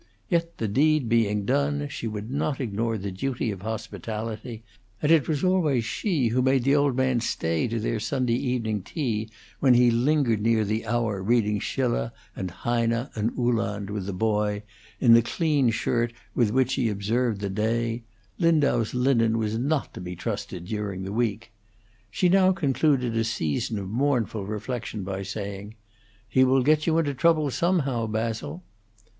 Yet, the deed being done, she would not ignore the duty of hospitality, and it was always she who made the old man stay to their Sunday evening tea when he lingered near the hour, reading Schiller and Heine and Uhland with the boy, in the clean shirt with which he observed the day; Lindau's linen was not to be trusted during the week. She now concluded a season of mournful reflection by saying, "He will get you into trouble, somehow, Basil."